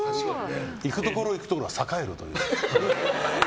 行くところ、行くところが栄えるという。